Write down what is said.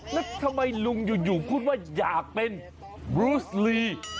แล้วทำไมลุงอยู่พูดว่าอยากเป็นบรูสลี